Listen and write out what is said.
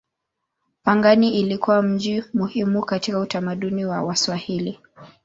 Pangani ilikuwa mji muhimu katika utamaduni wa Waswahili.